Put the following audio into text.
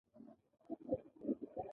خپل درد مې د خندا تر شا ښخ کړ.